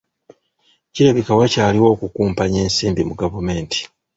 Kirabika wakyaliwo okukumpanya ensimbi mu gavumenti.